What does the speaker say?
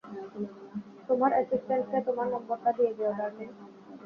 আমার অ্যাসিস্ট্যান্টকে তোমার নাম্বারটা দিয়ে যেয়ো, ডার্লিং?